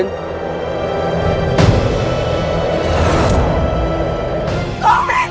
baik pak radin